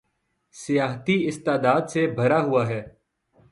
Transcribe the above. سیاحتی استعداد سے بھرا ہوا ہے